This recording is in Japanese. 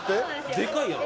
でかいやん！